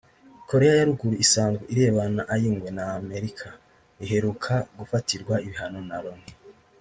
Koreya ya Ruguru isanzwe irebana ay’ingwe na Amerika iheruka gufatirwa ibihano na Loni